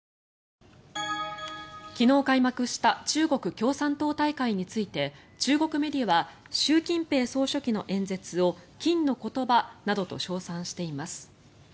昨日開幕した中国共産党大会について中国メディアは習近平総書記の演説を金の言葉などと称賛しています。